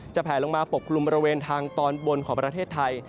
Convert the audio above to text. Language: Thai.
แผลลงมาปกคลุมบริเวณทางตอนบนของประเทศไทย